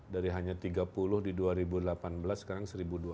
dari hanya tiga puluh di dua ribu delapan belas sekarang satu dua ratus